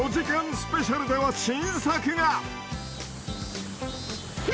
スペシャルでは新作が］